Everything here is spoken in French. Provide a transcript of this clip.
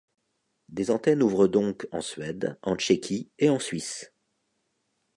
Des antennes ouvrent donc en Suède, en Tchéquie et en Suisse.